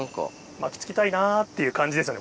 巻きつきたいなっていう感じですよね